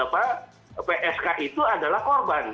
psk itu adalah korban